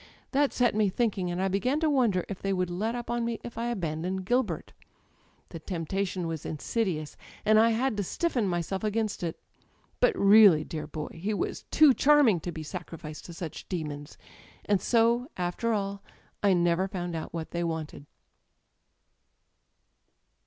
That set me thinking, and I began to wonder if they would let up on me if I abandoned Gilbert. The temptation was: insidious, and I had to stiffen myself against it; but really, dear boy! he was too charming to be sacrificed to such demons. And so, after all, I never found out what they wanted